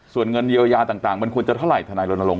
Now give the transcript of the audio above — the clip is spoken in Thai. ส่วนเงินเยียวยาต่างมันควรจะเท่าไหรทนายรณรงค